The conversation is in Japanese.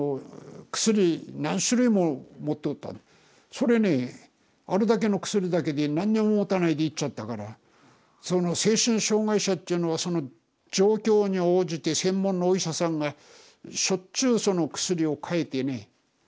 それねあれだけの薬だけで何にも持たないで行っちゃったからその精神障害者っていうのはその状況に応じて専門のお医者さんがしょっちゅうその薬をかえてね安定させんですよ。